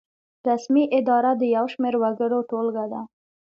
رسمي اداره د یو شمیر وګړو ټولګه ده.